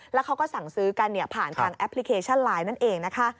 แล้วเขาก็สั่งซื้อกันผ่านทางแอปพลิเคชันไลน์นั่นเองนะคะ